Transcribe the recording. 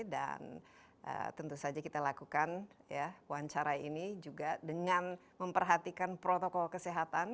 dan tentu saja kita lakukan wawancara ini juga dengan memperhatikan protokol kesehatan